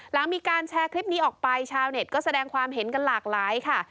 หลังมีการแชร์คลิปนี้ออกไปชาวเน็ตก็แสดงความเห็นกันหลากหลายค่ะ